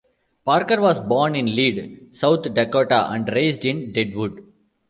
Parker was born in Lead, South Dakota, and raised in Deadwood.